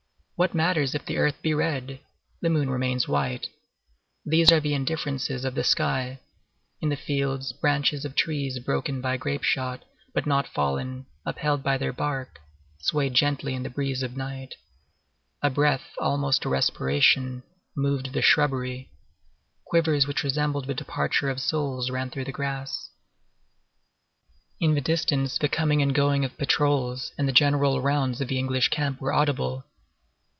What matters it if the earth be red! the moon remains white; these are the indifferences of the sky. In the fields, branches of trees broken by grape shot, but not fallen, upheld by their bark, swayed gently in the breeze of night. A breath, almost a respiration, moved the shrubbery. Quivers which resembled the departure of souls ran through the grass. In the distance the coming and going of patrols and the general rounds of the English camp were audible.